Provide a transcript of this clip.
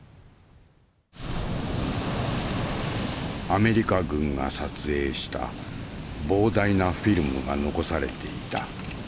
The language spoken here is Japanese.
アメリカ軍が撮影した膨大なフィルムが残されていた。